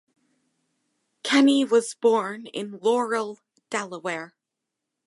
Kenney was born in Laurel, Delaware.